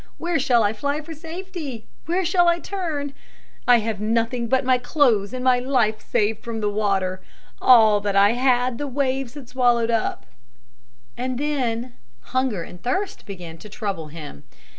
Where shall I fly for safety? Where shall I turn? I have nothing but my clothes and my life saved from the water. All that I had the waves have swallowed up." And then hunger and thirst began to trouble him.